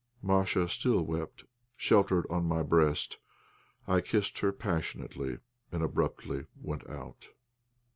Masha still wept, sheltered on my breast. I kissed her passionately, and abruptly went out.